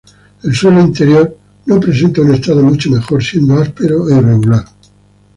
El suelo interior no presenta un estado mucho mejor, siendo áspero e irregular.